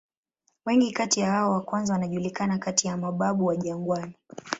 Wengi kati ya hao wa kwanza wanajulikana kati ya "mababu wa jangwani".